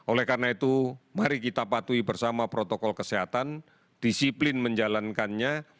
oleh karena itu mari kita patuhi bersama protokol kesehatan disiplin menjalankannya